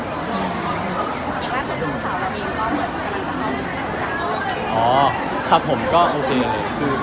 อีกล่าสุดสาวนาดีมก็มีการการเลือกสี